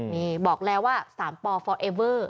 นี่บอกแล้วว่า๓ปฟอร์เอเวอร์